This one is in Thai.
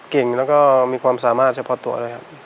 เก่งแล้วก็มีความสามารถเฉพาะตัวด้วยครับ